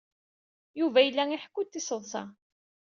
Yuba yella iḥekku-d tiseḍsa.